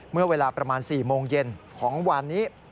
เมื่อเวลาประมาณ๔โมงเย็นของวานนี้